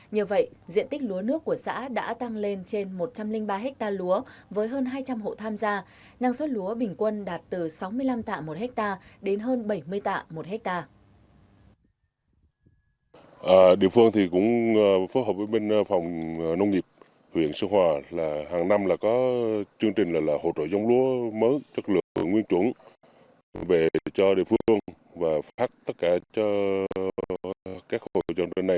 như vậy diện tích lúa nước của xã đã tăng lên trên một trăm linh ba ha lúa với hơn hai trăm linh hộ tham gia năng suất lúa bình quân đạt từ sáu mươi năm tạ một ha đến hơn bảy mươi tạ một ha